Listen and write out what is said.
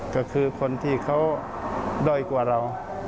ก็คือคนที่เขาด้อยกว่าเรา